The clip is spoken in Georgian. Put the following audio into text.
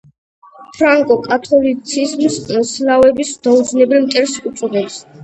ფრანკო კათოლიციზმს „სლავების დაუძინებელ მტერს“ უწოდებს.